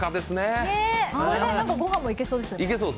御飯もいけそうですよね。